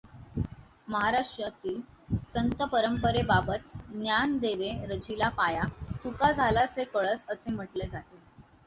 महाराष्ट्रातील संतपरंपरेबाबत ज्ञानदेवे रचिला पाया, तुका झालासे कळस असे म्हटले जाते.